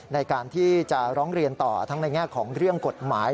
ในการที่จะร้องเรียนต่อทั้งในแง่ของเรื่องกฎหมาย